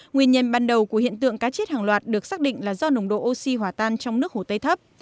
nguyên nhân ban đầu của hiện tượng cá chết hàng loạt được xác định là do nồng độ oxy hỏa tan trong nước hồ tây thấp